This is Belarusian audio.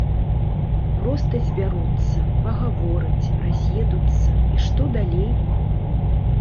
Проста збяруцца, пагавораць, раз'едуцца і што далей?